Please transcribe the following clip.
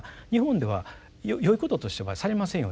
日本ではよいこととしてはされませんよね。